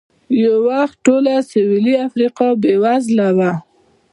یو وخت ټوله سوېلي افریقا بېوزله وه.